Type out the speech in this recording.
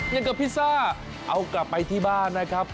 อย่างกับพิซซ่าเอากลับไปที่บ้านนะครับ